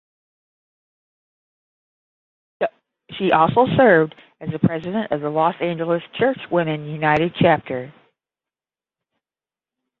She also served as the president of the Los Angeles Church Women United chapter.